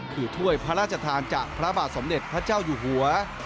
คือถ้วยพระราชทานจากพระบาทสมเด็จพระเจ้าอยู่หัว